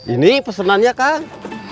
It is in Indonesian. ini pesenannya kang